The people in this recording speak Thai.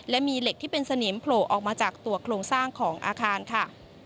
และมีเหล็กที่เป็นสนิมโผล่ออกมาจากตัวโครงสร้างของอาคารค่ะ